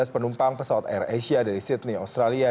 sebelas penumpang pesawat air asia dari sydney australia